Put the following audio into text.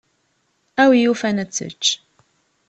A win yufan ad tečč.